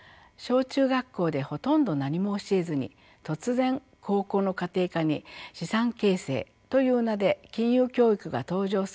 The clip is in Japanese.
小中学校でほとんど何も教えずに突然高校の家庭科に資産形成という名で金融教育が登場する。